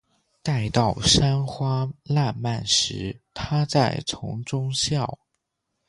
待到山花烂漫时，她在丛中笑。